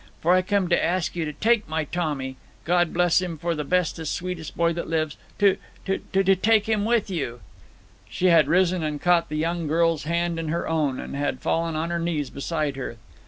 For I come to ask you to take my Tommy God bless him for the bestest, sweetest boy that lives to to take him with you." She had risen and caught the young girl's hand in her own, and had fallen on her knees beside her.